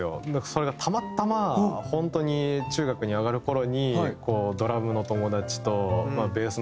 それがたまたま本当に中学に上がる頃にこうドラムの友達とベースの友達がいて。